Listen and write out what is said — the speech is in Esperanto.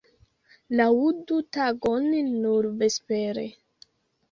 Laŭdu tagon nur vespere.